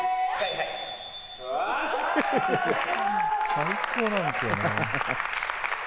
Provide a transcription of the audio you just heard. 最高なんですよね。